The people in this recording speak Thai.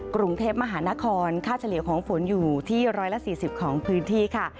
กรุงเทพมหานครค่าเฉลี่ยของฝนอยู่ที่๑๔๐ของพื้นที่ค่ะ